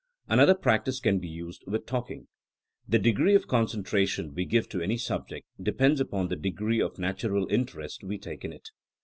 Another practice can be used with talking. The degree of concentration we give to any sub ject depends upon the degree of natural interest we take in it.